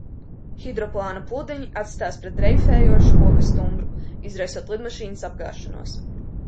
Hidroplāna pludiņi atsitās pret dreifējošu koka stumbru, izraisot lidmašīnas apgāšanos.